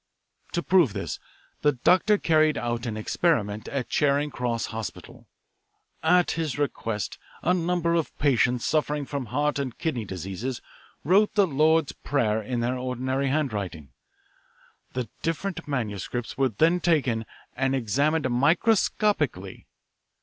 "To prove this, the doctor carried out an experiment at Charing Cross Hospital. At his request a number of patients suffering from heart and kidney diseases wrote the Lord's Prayer in their ordinary handwriting. The different manuscripts were then taken and examined microscopically.